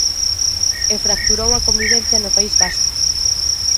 E fracturou a convivencia no País Vasco.